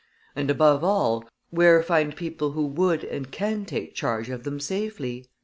And, above all, where find people who would and can take charge of them safely?"